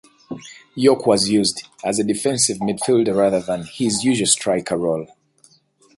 Yorke was used as a defensive midfielder rather than his usual striker role.